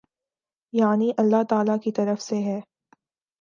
یعنی اﷲ تعالی کی طرف سے ہے۔